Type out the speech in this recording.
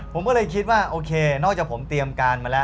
ผมก็เลยคิดว่าโอเคนอกจากผมเตรียมการมาแล้ว